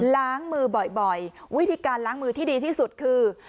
ล้างมือบ่อยวิธีการล้างมือที่ดีที่สุดคือ